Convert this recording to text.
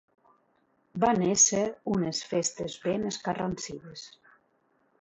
Van ésser unes festes ben escarransides.